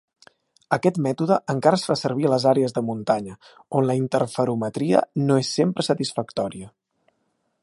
Aquest mètode encara es fa servir a les àrees de muntanya, on la interferometria no és sempre satisfactòria.